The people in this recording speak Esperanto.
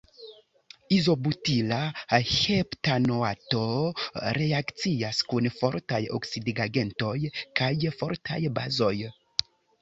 Izobutila heptanoato reakcias kun fortaj oksidigagentoj kaj fortaj bazoj.